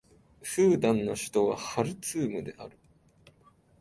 スーダンの首都はハルツームである